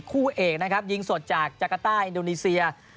คู่เอกนะครับยิงสดจากจักรต้าอินโดนีเซีย